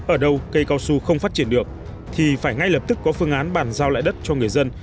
ở đâu cây cao su không phát triển được thì phải ngay lập tức có phương án bàn giao lại đất cho người dân